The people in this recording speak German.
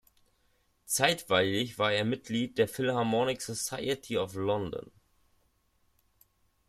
Zeitweilig war er Mitglied der Philharmonic Society of London.